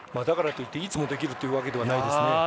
だからといっていつもできるというわけではないですね。